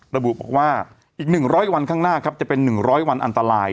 ระบุบอกว่าอีก๑๐๐วันข้างหน้าครับจะเป็น๑๐๐วันอันตราย